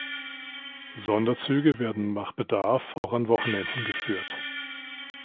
Sonderzüge werden nach Bedarf auch an Wochenenden geführt.